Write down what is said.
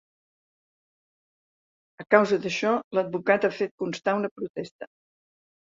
A causa d’això, l’advocat ha fet constar una protesta.